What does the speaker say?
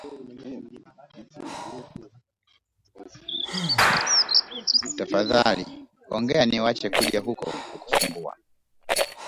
Tafadhali ongea niwache kuja huku kukusumbua tu